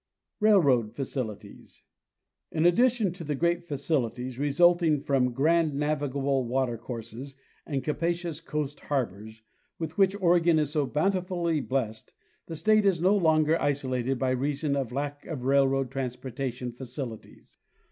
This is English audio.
Railroad Facilities. In addition to the great facilities resulting from grand nayi gable water courses and capacious coast harbors, with which Oregon is so bountifully blessed, the state is now no longer iso Facilities for Commerce 281 lated by reason of lack of railroad transportation facilities.